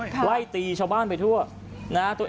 ก็แค่มีเรื่องเดียวให้มันพอแค่นี้เถอะ